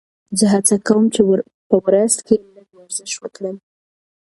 زه هڅه کوم چې په ورځ کې لږ ورزش وکړم.